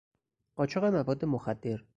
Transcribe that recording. قاچاق مواد مخدر